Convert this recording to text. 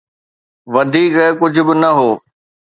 وڌيڪ ڪجهه به نه هو.